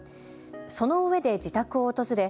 そのうえで自宅を訪れ